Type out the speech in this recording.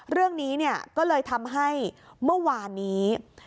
เรื่องนี้ก็เลยทำให้เมื่อวานนี้